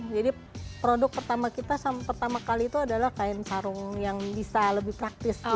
jadi produk pertama kita pertama kali itu adalah kain sarung yang bisa lebih praktis